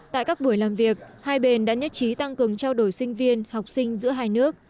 tại các buổi làm việc hai bên đã nhất trí tăng cường trao đổi sinh viên học sinh giữa hai nước